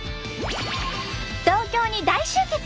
東京に大集結！